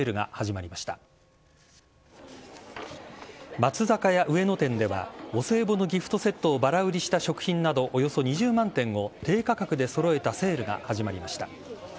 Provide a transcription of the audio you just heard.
松坂屋上野店では、お歳暮のギフトセットをばら売りした食品などおよそ２０万点を低価格でそろえたセールが始まりました。